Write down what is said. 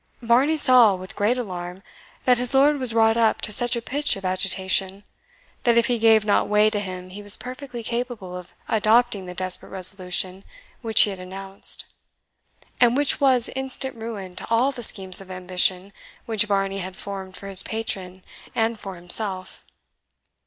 Varney saw with great alarm that his lord was wrought up to such a pitch of agitation, that if he gave not way to him he was perfectly capable of adopting the desperate resolution which he had announced, and which was instant ruin to all the schemes of ambition which Varney had formed for his patron and for himself.